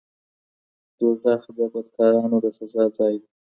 دوزخ د بدکارانو د سزا ځای دی.